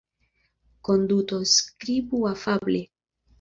Konduto Skribu afable.